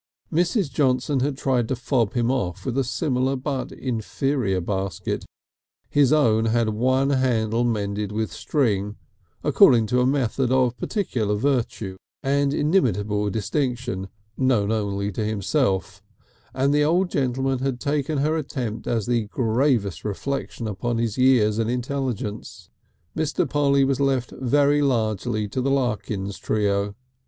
Mrs. Johnson had tried to fob him off with a similar but inferior basket, his own had one handle mended with string according to a method of peculiar virtue and inimitable distinction known only to himself and the old gentleman had taken her attempt as the gravest reflection upon his years and intelligence. Mr. Polly was left very largely to the Larkins trio.